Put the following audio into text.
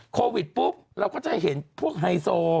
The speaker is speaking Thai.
โควิดปุ๊บเราก็จะเห็นพวกไฮโซ